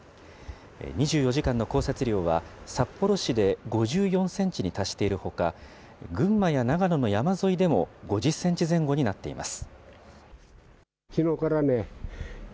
２４時間の降雪量は、札幌市で５４センチに達しているほか、群馬や長野の山沿いでも、５０センチ前後になっています。